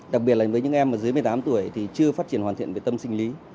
đặc biệt là với những em mà dưới một mươi tám tuổi thì chưa phát triển hoàn thiện về tâm sinh lý